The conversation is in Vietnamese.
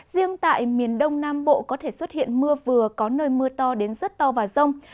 riêng tại miền đông nam bộ có thể xuất hiện mưa vừa có nơi mưa to đến rất to và rông